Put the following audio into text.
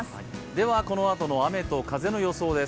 ではこのあとの雨と風の予想です。